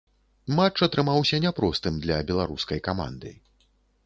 Матч атрымаўся няпростым для беларускай каманды.